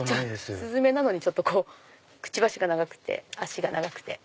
スズメなのにくちばしが長くて脚が長くて。